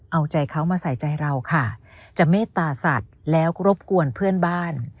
เอาใจเขามาใส่ใจเราค่ะจะเมตตาสัตว์แล้วรบกวนเพื่อนบ้าน